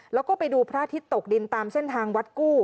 แล้วก็ไปดูพระอาทิตย์ตกดินตามเส้นทางวัดกู้